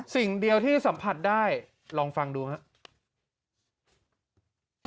สิ่งเดียวที่สัมผัสได้ลองฟังดูครับ